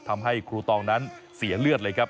ทำให้ครูตองนั้นเสียเลือดเลยครับ